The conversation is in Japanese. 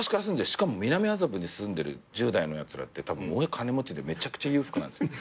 しかも南麻布に住んでる１０代のやつらってたぶん親金持ちでめちゃくちゃ裕福なんすよ。